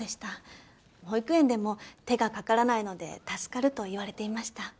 保育園でも手がかからないので助かると言われていました。